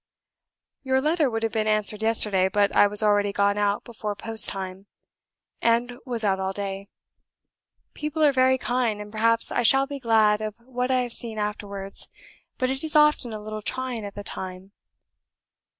"Your letter would have been answered yesterday, but I was already gone out before post time, and was out all day. People are very kind, and perhaps I shall be glad of what I have seen afterwards, but it is often a little trying at the time.